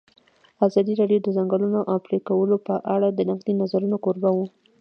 ازادي راډیو د د ځنګلونو پرېکول په اړه د نقدي نظرونو کوربه وه.